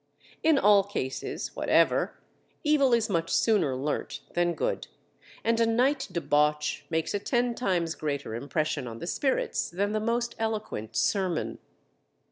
In all cases whatever, evil is much sooner learnt than good, and a night debauch makes a ten times greater impression on the spirits than the most eloquent sermon.